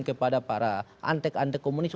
kepada para antek antek komunis